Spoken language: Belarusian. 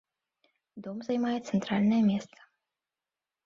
Дом займае цэнтральнае месца.